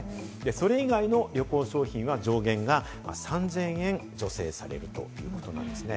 それ以外の旅行商品は上限が３０００円助成されるということなんですね。